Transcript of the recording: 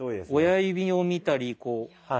親指を見たりこう。